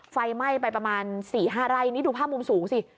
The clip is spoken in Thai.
ไฟไหม้ไปประมาณ๔๕ไร่นี่ดูภาพมุมสูงสิ